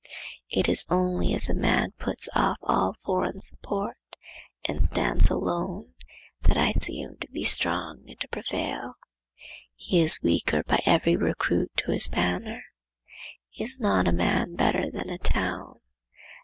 It is only as a man puts off all foreign support and stands alone that I see him to be strong and to prevail. He is weaker by every recruit to his banner. Is not a man better than a town?